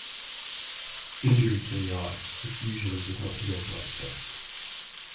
Injury to the eye, which usually does not heal by itself.